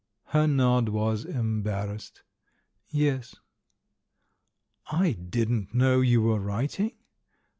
Her nod was embarrassed. "Yes." "I didn't know you were writing."